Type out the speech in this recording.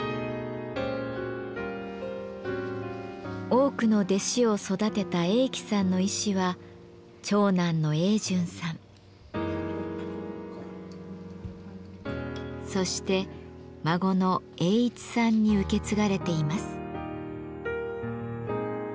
多くの弟子を育てた栄喜さんの遺志は長男の栄順さんそして孫の栄市さんに受け継がれています。